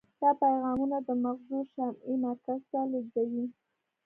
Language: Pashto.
دا پیغامونه د مغزو شامعي مرکز ته لیږدوي.